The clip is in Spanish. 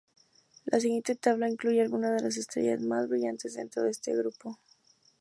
La siguiente tabla incluye algunas de las estrellas más brillantes dentro de este grupo.